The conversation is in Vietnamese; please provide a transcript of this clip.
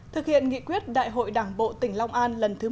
thực hiện nghị quyết đại hội đảng bộ tỉnh long an lần thứ một mươi